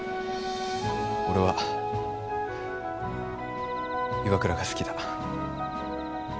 俺は岩倉が好きだ。